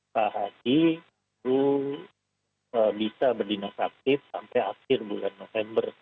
pak haji itu bisa berdinas aktif sampai akhir bulan november